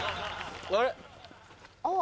あれ？